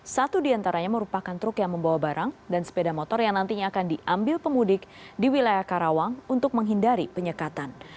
satu diantaranya merupakan truk yang membawa barang dan sepeda motor yang nantinya akan diambil pemudik di wilayah karawang untuk menghindari penyekatan